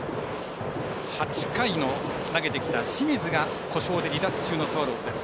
８回を投げてきた清水が故障で離脱中のスワローズです。